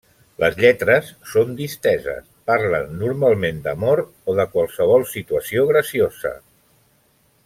Les lletres són disteses, parlen normalment d'amor o de qualsevol situació graciosa.